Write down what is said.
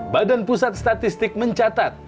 badan pusat statistik mencatat